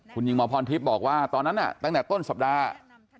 คุณหญิงหมอพรทิพย์บอกว่าตอนนั้นตั้งแต่ต้นสัปดาห์